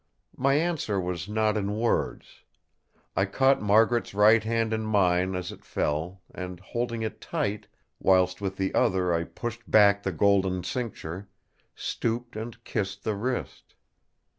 My answer was not in words. I caught Margaret's right hand in mine as it fell, and, holding it tight, whilst with the other I pushed back the golden cincture, stooped and kissed the wrist.